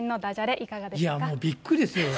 いやもう、びっくりですよ。